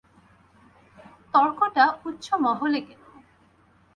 তর্কটা উচ্চ মহলে গেল।